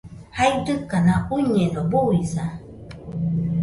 jaidɨkaka uiñeno, buisa